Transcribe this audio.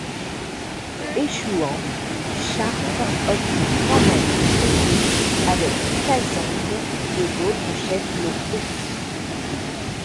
Échouant, Sharpe obtient quand même un traité avec Kazembe et d'autres chefs locaux.